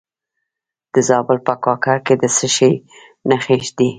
د زابل په کاکړ کې د څه شي نښې دي؟